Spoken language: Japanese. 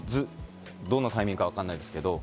どのタイミングかわからないですけど。